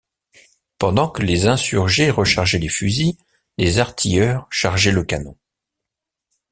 Pendant que les insurgés rechargeaient les fusils, les artilleurs chargeaient le canon.